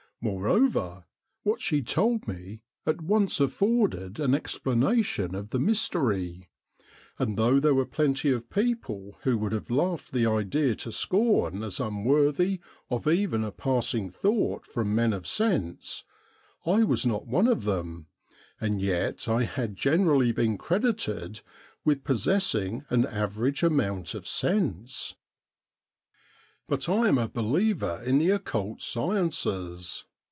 Moreover, what she told me at once afforded an explanation of the mystery ; and though there were plenty of people who would have laughed the idea to scorn as unworthy of even a passing thought from men of sense, I was not one of them, and yet I had generally been credited with possessing an average amount of sense. JOHN MACDOUGAUS DOUBLE 87 But I am a believer in the occult sciences.